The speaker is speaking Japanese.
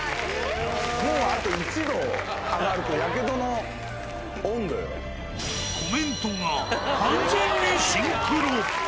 もうあと１度上がると、コメントが完全にシンクロ。